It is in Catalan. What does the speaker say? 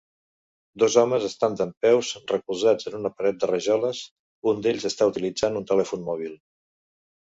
Dos homes estan dempeus recolzats en una paret de rajoles, un d'ells està utilitzant un telèfon mòbil.